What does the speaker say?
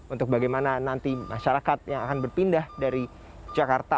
untuk bagaimana nanti masyarakat yang akan berpindah dari jakarta